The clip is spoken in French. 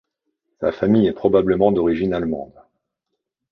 Sa famille est probablement d'origine allemande.